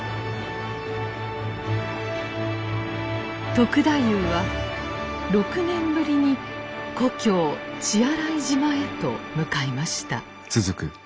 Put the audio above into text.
篤太夫は６年ぶりに故郷血洗島へと向かいました。